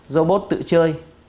robot tự chơi